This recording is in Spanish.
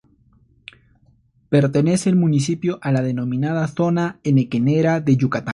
Pertenece el municipio a la denominada zona henequenera de Yucatán.